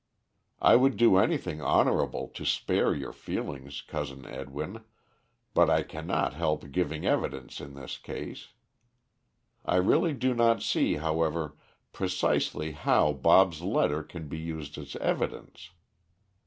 I would do anything honorable to spare your feelings, Cousin Edwin, but I can not help giving evidence in this case. I really do not see, however, precisely how Bob's letter can be used as evidence.